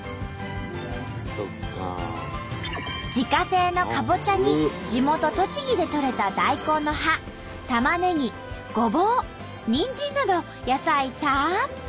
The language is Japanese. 自家製のかぼちゃに地元栃木でとれた大根の葉たまねぎごぼうにんじんなど野菜たっぷり！